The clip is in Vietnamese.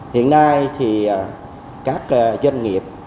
hiện nay thì các doanh nghiệp